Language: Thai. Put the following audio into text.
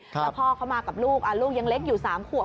แล้วพ่อเขามากับลูกลูกยังเล็กอยู่๓ขวบ